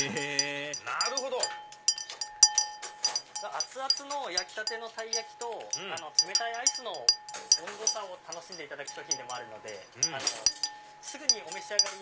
熱々の焼きたてのたい焼きと冷たいアイスの温度差を楽しんでいただく商品でもあるのですぐお召し上がり